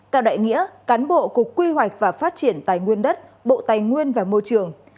cao đại nghĩa cán bộ cục quy hoạch và phát triển tài nguyên đất bộ tài nguyên và môi trường